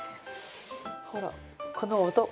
ほらこの音。